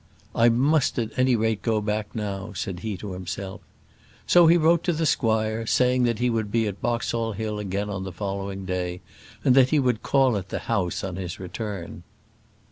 "I must at any rate go back now," said he to himself. So he wrote to the squire, saying that he was to be at Boxall Hill again on the following day, and that he would call at the house on his return.